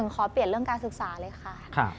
ขอเปลี่ยนเรื่องการศึกษาเลยค่ะ